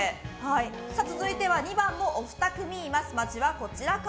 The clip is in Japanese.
続いては２番もお二組います。